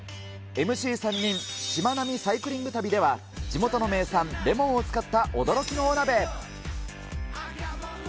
ＭＣ３人、しまなみサイクリング旅では、地元の名産、レモンを使った驚きのお鍋。